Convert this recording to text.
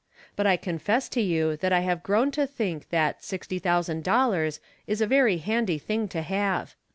But I con fess to you that I have grown to think that " sixty thousand " dollars is a very handy thing to have.